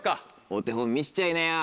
お手本見しちゃいなよ。